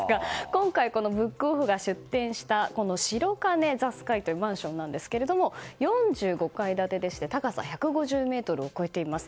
今回、このブックオフが出店した白金ザ・スカイというマンションなんですけれども４５階建てでして高さ１５０ｍを超えています。